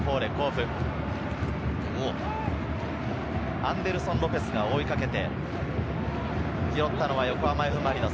アンデルソン・ロペスが追いかけて、拾ったのは横浜Ｆ・マリノス。